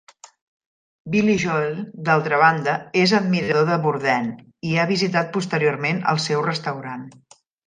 Billy Joel, d'altra banda, és admirador de Bourdain i ha visitat posteriorment el seu restaurant.